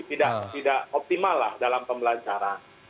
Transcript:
tidak optimal lah dalam pembelajaran